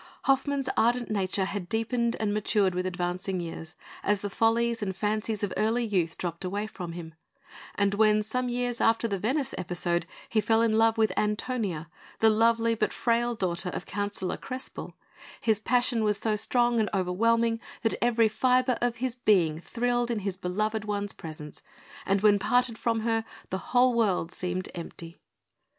Hoffmann's ardent nature had deepened and matured with advancing years, as the follies and fancies of early youth dropped away from him; and when, some years after the Venice episode, he fell in love with Antonia, the lovely but frail daughter of Councillor Crespel, his passion was so strong and overwhelming that every fibre of his being thrilled in his beloved one's presence, and when parted from her the whole world seemed empty.